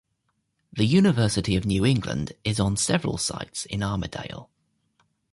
The University of New England is on several sites in Armidale.